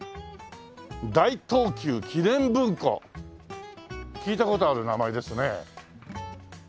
「大東急記念文庫」聞いた事ある名前ですね。